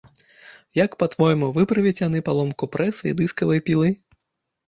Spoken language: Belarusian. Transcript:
А як па-твойму, выправяць яны паломку прэса і дыскавай пілы?